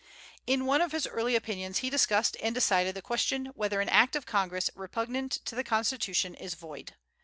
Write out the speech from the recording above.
In one of his early opinions he discussed and decided the question whether an Act of Congress repugnant to the Constitution is void.